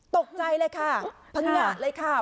ตกใจเลยค่ะพังงะเลยค่ะ